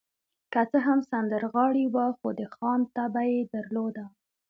که څه هم سندرغاړی و، خو د خان طبع يې درلوده.